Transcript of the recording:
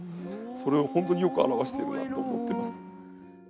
それを本当によく表しているなと思ってます。